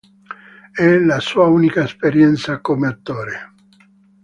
È la sua unica esperienza come attore.